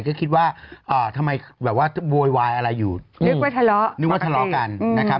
ก็คิดว่าทำไมแบบว่าโวยวายอะไรอยู่นึกว่าทะเลาะนึกว่าทะเลาะกันนะครับ